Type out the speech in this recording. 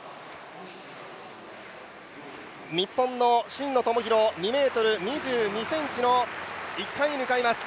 日本の真野友博、２ｍ２２ｃｍの１回目に向かいます。